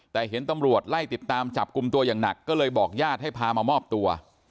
แต่เห็นตำรวจไล่ติดตามจับกลุ่มตัวอย่างหนักก็เลยบอกญาติให้พามามอบตัว